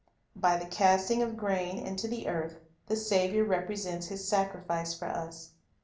By the casting of grain into the earth, the Saviour Life represents His sacrifice for us.